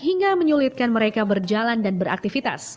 hingga menyulitkan mereka berjalan dan beraktivitas